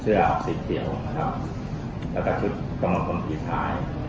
เชื้อให้สีเกียวนะครับแล้วก็ชุดกองมังคลมที่สาย